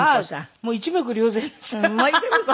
もう一目瞭然です。